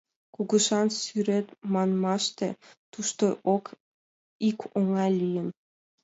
Кугыжан сӱрет манмаште, тушто ик оҥай лийын.